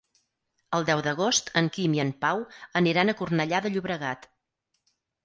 El deu d'agost en Quim i en Pau aniran a Cornellà de Llobregat.